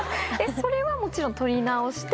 それはもちろん撮り直して。